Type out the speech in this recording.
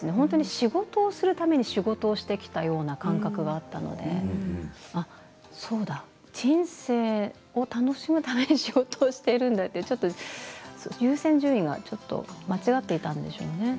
仕事をするために仕事をしてきたような感覚があったのでそうだ、人生を楽しむために仕事をしているんだと優先順位がちょっと間違っていたんでしょうね。